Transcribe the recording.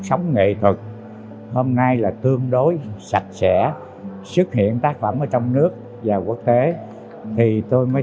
sống nghệ thuật hôm nay là tương đối sạch sẽ xuất hiện tác phẩm ở trong nước và quốc tế thì tôi mới